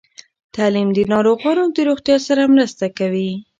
تعلیم د ناروغانو د روغتیا سره مرسته کوي.